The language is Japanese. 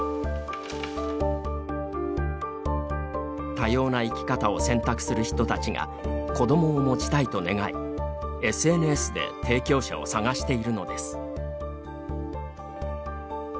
多様な生き方を選択する人たちが子どもを持ちたいと願いＳＮＳで提供者を探しているのです。